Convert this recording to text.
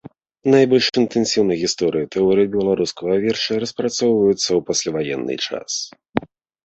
Найбольш інтэнсіўна гісторыя і тэорыя беларускага верша распрацоўваюцца ў пасляваенны час.